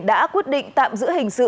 đã quyết định tạm giữ hình sự